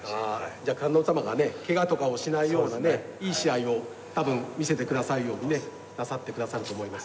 じゃあ観音様がねけがとかをしないようなねいい試合を多分見せてくださるようにねなさってくださると思います。